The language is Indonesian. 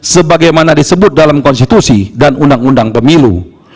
sebagaimana disebut dalam konstitusi dan undang undang pemilu